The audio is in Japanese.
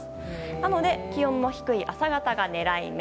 なので、気温の低い朝方が狙い目。